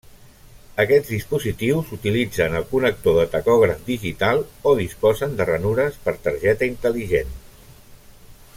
Aquests dispositius utilitzen el connector de tacògraf digital o disposen de ranures per targeta intel·ligent.